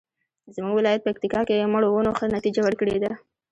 زمونږ ولایت پکتیکا کې مڼو ونو ښه نتیجه ورکړې ده